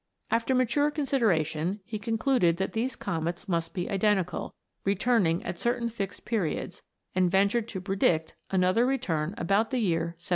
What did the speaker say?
After mature con sideration, he concluded that these comets must be identical, returning at certain fixed periods, and ventured to predict another return about the year 1759.